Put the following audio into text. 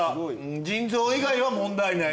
腎臓以外は問題ない。